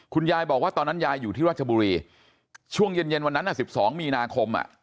คุณยายบอกว่าตอนนั้นยายอยู่ที่ราชบุรีช่วงเย็นวันนั้น๑๒มีนาคม